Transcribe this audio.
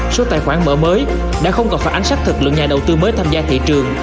số tài khoản mở mới đã không còn phản ánh sát thực lượng nhà đầu tư mới tham gia thị trường